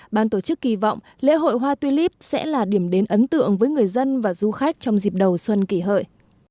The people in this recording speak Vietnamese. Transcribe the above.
ban tổ chức kỳ vọng lễ hội hoa tuy líp sẽ là điểm đến ấn tượng với người dân và du khách trong dịp đầu xuân kỷ hợi